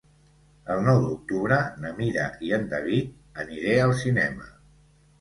El nou d'octubre na Mira i en David aniré al cinema.